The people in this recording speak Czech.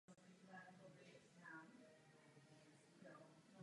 O císařově malém synovi se dokonce prameny nezmiňují vůbec.